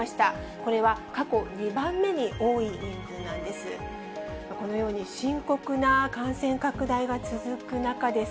これは過去２番目に多い人数なんです。